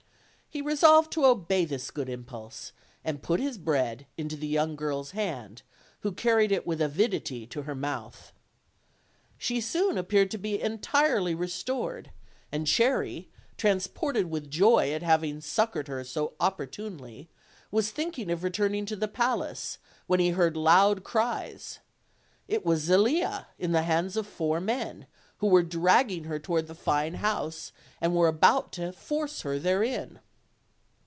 He resolved to obey this good impulse, and put his bread into the young girl's hand, who carried it with avidity to her mouth. She soon appeared to be entirely restored, and Cherry, transported with joy at having succored her so oppor tunely, was thinking of returning to the palace, when he heard loud cries; it was Zelia in the hands of four men, who were dragging her toward the fine house, and were about to force her therein.